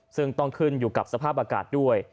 ซึ่งต้องขึ้นอยู่กับสภาพอากาศด้วย